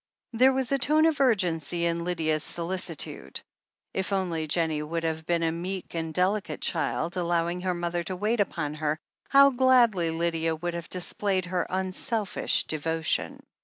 There was a tone of urgency in Lydia's solicitude. If only Jennie would have been a meek and delicate child, allowing her mother to wait upon her, how gladly Lydia would have displayed her unselfish devotion